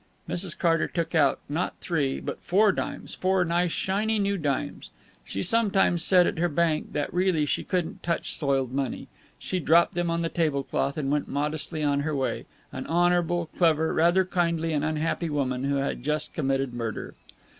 Mrs. Carter took out, not three, but four dimes four nice, shiny, new dimes; she sometimes said at her bank that really she couldn't touch soiled money. She dropped them on the table cloth, and went modestly on her way, an honorable, clever, rather kindly and unhappy woman who had just committed murder.